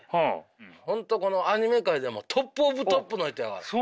本当このアニメ界でもトップ・オブ・トップの人やから。